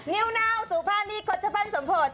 นิ้วเน่าสุภาษณ์ดีคนเฉพาะสมโภต